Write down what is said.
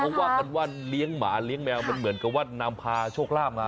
เขาว่ากันว่าเลี้ยงหมาเลี้ยงแมวมันเหมือนกับว่านำพาโชคลาภมา